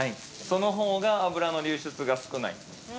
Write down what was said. そのほうが脂の流出が少ない。